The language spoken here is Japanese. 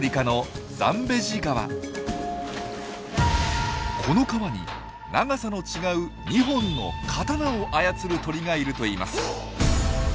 ここはこの川に長さの違う二本の「刀」を操る鳥がいるといいます。